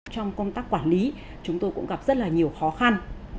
trong công tác quản lý chúng tôi cũng gặp rất là nhiều khó khăn